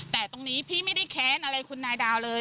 แต่ตรงนี้พี่ไม่ได้แค้นอะไรคุณนายดาวเลย